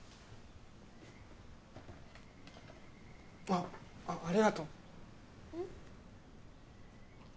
あっありがとう！ん？